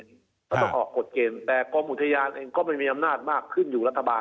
ก็ต้องออกกฎเกณฑ์แต่กรมอุทยานเองก็ไม่มีอำนาจมากขึ้นอยู่รัฐบาล